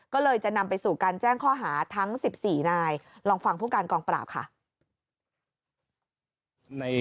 ก็เลยจะนำไปสู่การแจ้งข้อหาทั้ง๑๔นายลองฟังผู้การกองปราบค่ะ